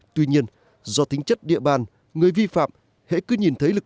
tuy nhiên do tính chất địa bàn người vi phạm hãy cứ nhìn thấy lực